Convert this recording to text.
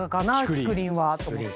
きくりんはと思って。